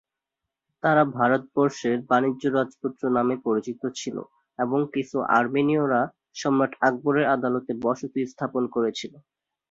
তারা "ভারতবর্ষের বাণিজ্য রাজপুত্র" নামে পরিচিত ছিল, এবং কিছু আর্মেনীয়রা সম্রাট আকবরের আদালতে বসতি স্থাপন করেছিল।